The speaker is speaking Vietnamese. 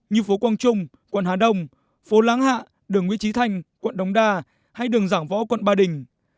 như phố quang trung quận hà đông phố láng hạ đường nguyễn trí thanh quận đống đa hay đường giảng võ quận ba đình